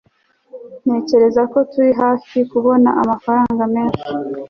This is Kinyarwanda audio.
ntekereza ko turi hafi kubona amafaranga menshi